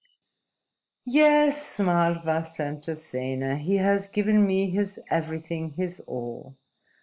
"Yes," smiled Vasantasena. "He has given me his everything, his all.